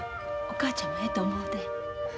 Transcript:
お母ちゃんもええと思うで。